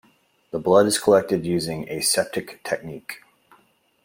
The blood is collected using aseptic technique.